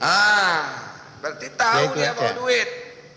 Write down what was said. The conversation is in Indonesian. ah berarti tahu dia mau duit